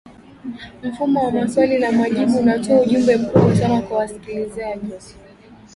mfumo wa maswali na majibu unatoa ujumbe mkubwa sana kwa wasikilizaji